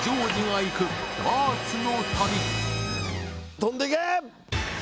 飛んでけ！